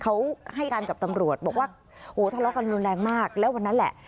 เขาให้การกับตำรวจบอกว่าโหทะเลาะกันรุนแรงมากแล้ววันนั้นแหละ